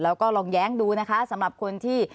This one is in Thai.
แล้วก็ลองแย้งดูนะคะสำหรับคนที่